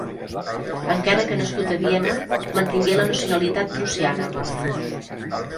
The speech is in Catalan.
Encara que nascut a Viena, mantingué la nacionalitat prussiana.